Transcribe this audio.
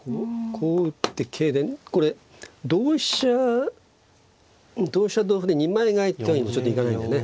こう打って桂でこれ同飛車同飛車同歩で二枚替えってわけにもちょっといかないんだよね。